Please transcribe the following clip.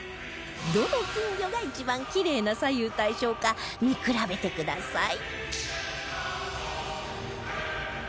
どの金魚が一番キレイな左右対称か見比べてください